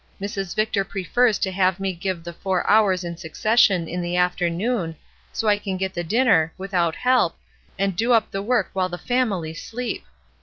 Mrs. Victor prefers to have me give the four hours in succession in the afternoon, so I can get the dinner, without help, and do up the work while the family sleep!